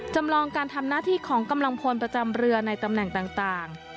จำลองการทำหน้าที่ของกำลังพลประจำเรือในตำแหน่งต่าง